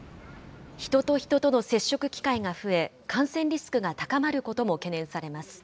人と人との接触機会が増え、感染リスクが高まることも懸念されます。